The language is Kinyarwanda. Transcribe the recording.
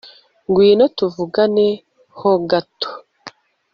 ngwino tuvugane ho gato